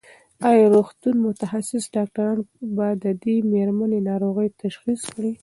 ایا د روغتون متخصص ډاکټران به د دې مېرمنې ناروغي تشخیص کړي؟